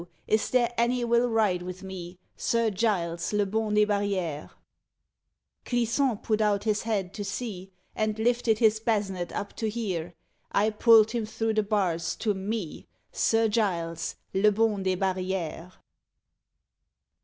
is there any will ride with me, Sir Giles, le bon des barrières?_ Clisson put out his head to see, And lifted his basnet up to hear; I pull'd him through the bars to ME, _Sir Giles; le bon des barrières.